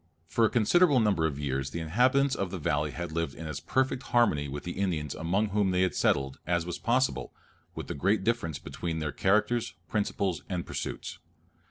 For a considerable number of years the inhabitants of the valley had lived in as perfect harmony with the Indians among whom they had settled, as was possible, with the great difference between their characters, principles, and pursuits.